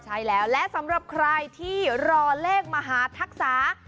ใช่แล้วและสำหรับใครที่รอเลขมหาทักษา